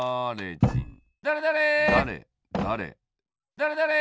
だれだれ！